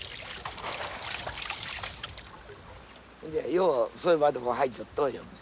ようそれまでも入っちょっとうよ。